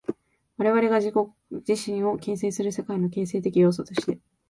我々が自己自身を形成する世界の形成的要素として、